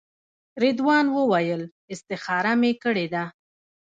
رضوان وویل استخاره مې کړې ده.